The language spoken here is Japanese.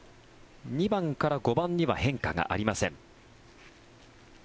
２番から５番には変化がありません。